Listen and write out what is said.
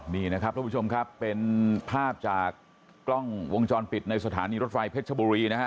นี่นะครับทุกผู้ชมครับเป็นภาพจากกล้องวงจรปิดในสถานีรถไฟเพชรชบุรีนะฮะ